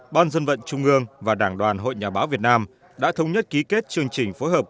ban dân vận trung ương và đảng đoàn hội nhà báo việt nam đã thống nhất ký kết chương trình phối hợp